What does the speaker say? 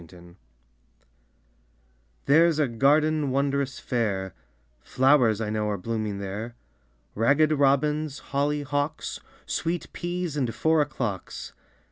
A GARDEN There's a garden wondrous fair, Flowers I know are blooming there, Ragged Robins, Holly Hocks, Sweet Peas and Four o'clocks.